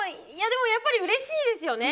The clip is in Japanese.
でも、やっぱりうれしいですよね。